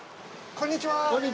こんにちは。